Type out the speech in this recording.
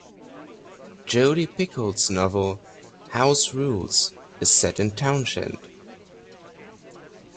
Jodi Picoult's novel "House Rules" is set in Townshend.